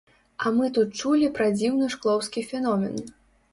А мы тут чулі пра дзіўны шклоўскі феномен.